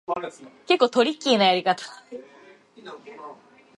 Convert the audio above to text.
It was decided to build an ornate structure.